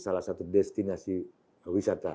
salah satu destinasi wisata